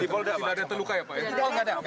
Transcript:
di polda tidak ada terluka ya pak ya